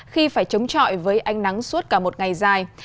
khi phải chống trọi với ánh nắng suốt cả một ngày dài